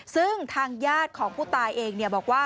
ซึ่งทางญาติของผู้ตายเองบอกว่า